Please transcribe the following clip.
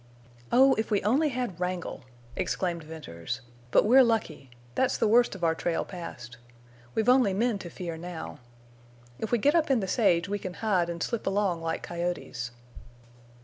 "Oh, if we only had Wrangle!" exclaimed Venters. "But we're lucky. That's the worst of our trail passed. We've only men to fear now. If we get up in the sage we can hide and slip along like coyotes."